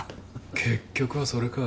結局はそれか。